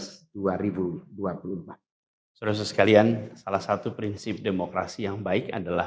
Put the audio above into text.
saudara saudara sekalian salah satu prinsip demokrasi yang baik adalah